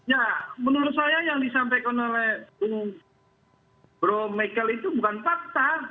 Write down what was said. ya menurut saya yang disampaikan oleh bung bro michael itu bukan fakta